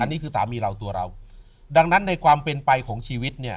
นี่คือสามีเราตัวเราดังนั้นในความเป็นไปของชีวิตเนี่ย